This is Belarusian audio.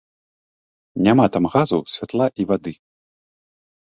Няма там газу, святла і вады.